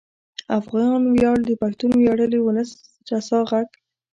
افغان ویاړ د پښتون ویاړلي ولس رسا غږ